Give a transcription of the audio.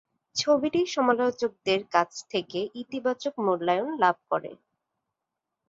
ছবিটি সমালোচকদের কাছ থেকে ইতিবাচক মূল্যায়ন লাভ করে।